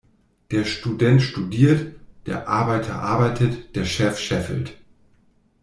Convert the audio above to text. Der Student studiert, der Arbeiter arbeitet, der Chef scheffelt.